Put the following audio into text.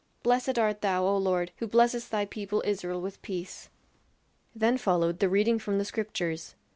Blessed art thou, O Lord, who blessest thy people Israel with peace!" Then followed the reading from the scriptures.